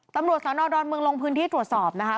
ตำรวจสนดอนเมืองลงพื้นที่ตรวจสอบนะคะ